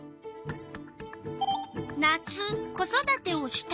夏子育てをした